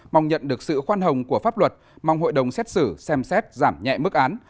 mong nhận được sự khoan hồng của pháp luật mong hội đồng xét xử xem xét giảm nhẹ mức án